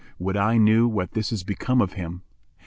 Would I knew what is become of him?"